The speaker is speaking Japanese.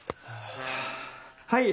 はい。